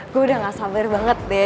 gue udah gak sabar banget deh